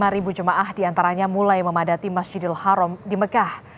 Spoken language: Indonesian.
lima ribu jemaah diantaranya mulai memadati masjidil haram di mekah